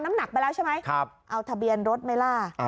น้ำหนักไปแล้วใช่ไหมเอาทะเบียนรถไหมล่ะ